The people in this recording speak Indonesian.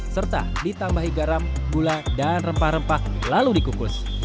serta ditambahi garam gula dan rempah rempah lalu dikukus